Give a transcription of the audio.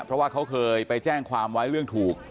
เพราะว่าเขาเคยไปแจ้งความไว้เรื่องถูก